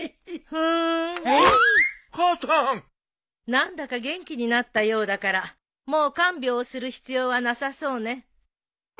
何だか元気になったようだからもう看病する必要はなさそうね。